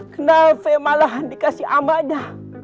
kenave malahan dikasih amadah